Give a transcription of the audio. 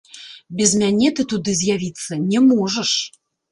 Без мяне ты туды з'явіцца не можаш!